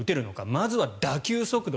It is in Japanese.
まずは打球速度